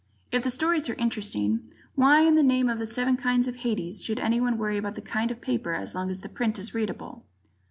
If the stories are interesting, why in the name of Seven Kinds of Hades should anyone worry about the kind of paper as long as the print is readable.